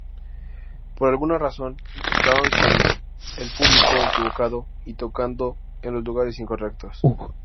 Por alguna razón, estaban con el público equivocado y tocando en los lugares incorrectos.